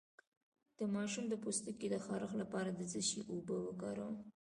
د ماشوم د پوستکي د خارښ لپاره د څه شي اوبه وکاروم؟